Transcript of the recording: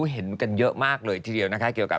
เห็นกันเยอะมากเลยทีเดียวนะคะ